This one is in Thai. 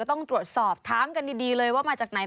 ต้องตรวจสอบถามกันดีเลยว่ามาจากไหน